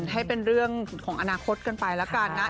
ให้เป็นเรื่องของอนาคตกันไปแล้วกันนะ